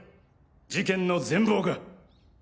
事件の全貌が。